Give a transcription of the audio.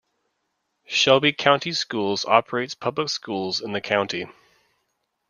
Shelby County Schools operates public schools in the county.